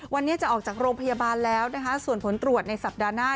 วันนี้จะออกจากโรงพยาบาลแล้วนะคะส่วนผลตรวจในสัปดาห์หน้า